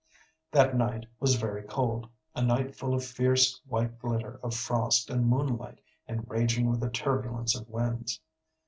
That night was very cold, a night full of fierce white glitter of frost and moonlight, and raging with a turbulence of winds.